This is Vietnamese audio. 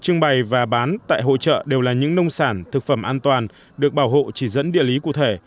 các loại nông sản thực phẩm an toàn được bảo hộ chỉ dẫn địa lý cụ thể